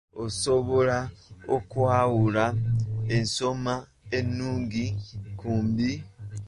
Osobola okwawula ensoma ennungi ku mbi?